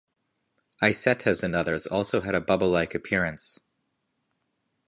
Isettas and others also had a bubble-like appearance.